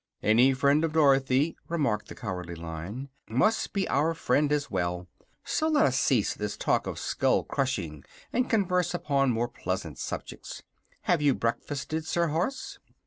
"Any friend of Dorothy," remarked the Cowardly Lion, "must be our friend, as well. So let us cease this talk of skull crushing and converse upon more pleasant subjects. Have you breakfasted, Sir Horse?"